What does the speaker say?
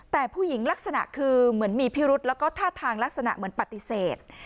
แต่ผู้หญิงลักษณะคือเหมือนมีพิรุธแล้วก็ท่าทางลักษณะเหมือนปฏิเสธ